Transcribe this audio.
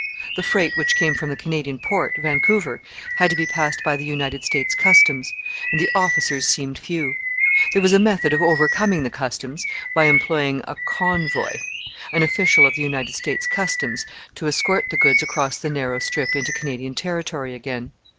The freight which came from the Canadian port, Vancouver, had to be passed by the United States Customs, and the officers seemed few. There was a method of overcoming the Customs by employing a "convoy," an official of the United States Customs, to escort the goods across the narrow strip into Canadian territory again.